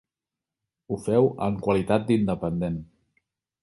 Ho feu en qualitat d'independent.